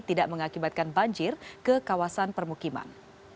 tidak mengakibatkan banjir ke kawasan permukiman